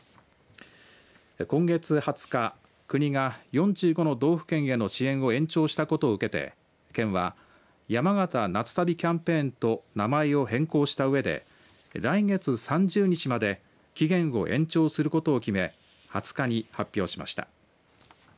今月２０日国が４５の道府県への支援を延長したことを受けて県はやまがた夏旅キャンペーンと名前を変更したうえで来月３０日まで期限を延長することを決め２０日に発表しました。